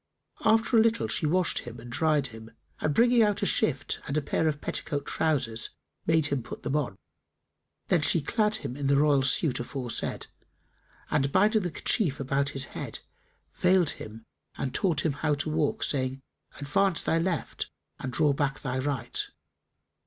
After a little, she washed him and dried him and bringing out a shift and a pair of petticoat trousers made him put them on. Then she clad him in the royal suit aforesaid and, binding the kerchief about his head, veiled him and taught him how to walk, saying, "Advance thy left and draw back thy right."